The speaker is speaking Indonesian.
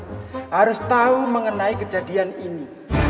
kita harus tahu mengenai kejadian ini